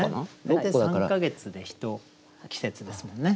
大体３か月で一季節ですもんね。